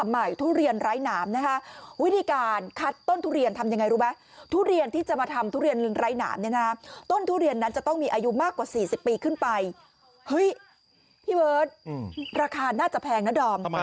พี่เบิร์ตราคาน่าจะแพงนะดอม